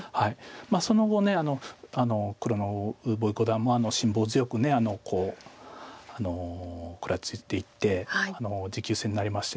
その後黒の呉柏毅五段も辛抱強く食らいついていって持久戦になりまして。